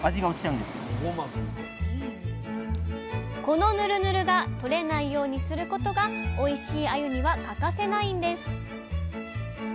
このヌルヌルがとれないようにすることがおいしいあゆには欠かせないんです！